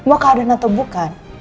mau keadaan atau bukan